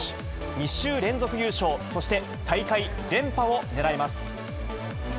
２週連続優勝、そして大会連覇をねらいます。